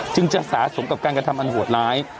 จึงจะสะสมกับการกระทำอันโหดร้าย